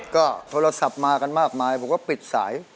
ก็โทรศัพท์มากันมากมายผมก็ปิดสาย